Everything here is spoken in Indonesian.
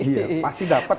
iya pasti dapat